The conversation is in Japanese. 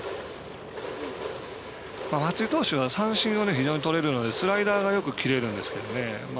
松井投手は三振をよくとれるのでスライダーがよく切れるんですよね。